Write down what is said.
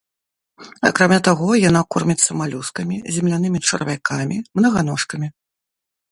Акрамя таго, яна корміцца малюскамі, землянымі чарвякамі, мнаганожкамі.